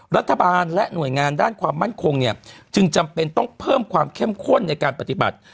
รัฐบาลและหน่วยงานด้านความมั่นคงเนี่ยจึงจำเป็นต้องเพิ่มความเข้มข้นในการปฏิบัติ